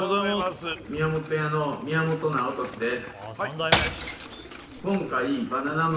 今回宮本屋の宮本直稔です